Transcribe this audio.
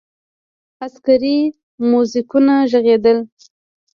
عسکري موزیکونه ږغېدل.